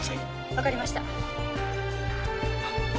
わかりました。